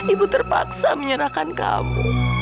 ibu terpaksa menyerahkan kamu